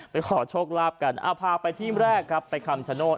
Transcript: ขอโชคลาภกันพาไปที่แรกครับไปคำชโนธ